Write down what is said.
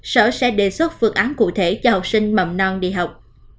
sở sẽ đề xuất phương án cụ thể cho học sinh mầm non đi học